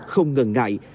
không ngần ngại